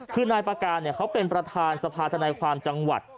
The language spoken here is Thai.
คือนายประการเขาเป็นประธานสภาธนายความจังหวัด